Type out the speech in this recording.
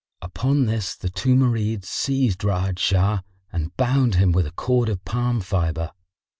Upon this the two Marids seized Ra'ad Shah and bound him with a cord of palm fibre.